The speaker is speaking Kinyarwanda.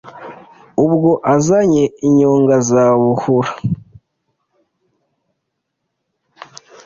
Ubwo azanye inyonga za Buhura,